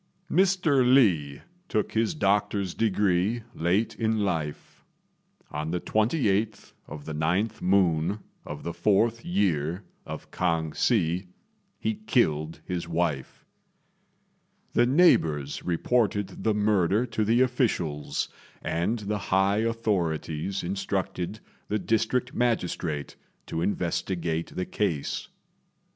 Mr. Li took his doctor's degree late in life. On the 28th of the 9th moon of the 4th year of K'ang Hsi, he killed his wife. The neighbours reported the murder to the officials, and the high authorities instructed the district magistrate to investigate the case.